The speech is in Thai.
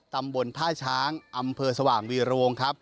ตำบลท่าช้างอำเภอสว่างวีระวงครับ